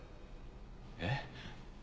えっ？